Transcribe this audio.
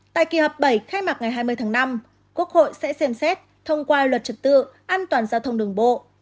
tại kỳ họp bảy khai mạc ngày hai mươi tháng năm quốc hội sẽ xem xét thông qua luật trật tự an toàn giao thông đường bộ